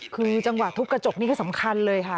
คือจังหวะทุบกระจกนี่ก็สำคัญเลยค่ะ